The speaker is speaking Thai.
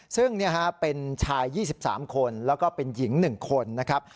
ซึ่งเป็นชาย๒๓คนแล้วก็เป็นหญิง๑คนนะครับ